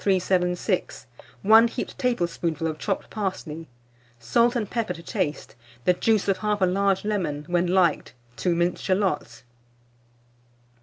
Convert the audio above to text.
376; 1 heaped tablespoonful of chopped parsley, salt and pepper to taste, the juice of 1/2 large lemon; when liked, 2 minced shalots.